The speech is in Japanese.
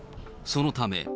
そのため。